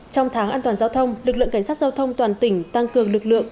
trong tháng an toàn giao thông lực lượng cảnh sát giao thông toàn tỉnh tăng cường lực lượng